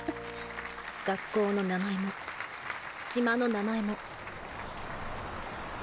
学校の名前も島の名前も。